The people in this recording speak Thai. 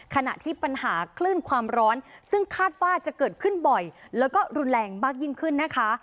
ขณะที่ปัญหาคลื่นความร้อนซึ่งคาดว่าจะเกิดขึ้นบ่อยแล้วก็รุนแรงมากยิ่งขึ้นนะคะ